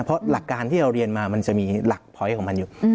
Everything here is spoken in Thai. เพราะหลักการที่เราเรียนมามันจะมีหลักพอยต์ของมันอยู่